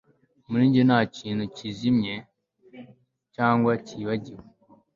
muri njye nta kintu kizimye cyangwa cyibagiwe